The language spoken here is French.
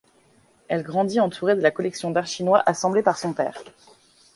Elle grandit entourée de la collection d'art chinois assemblée par son père.